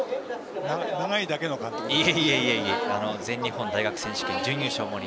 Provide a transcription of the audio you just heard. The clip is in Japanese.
長いだけの監督です。